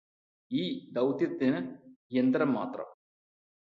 ഈ ദൌത്യത്തിന് യന്ത്രം മാത്രം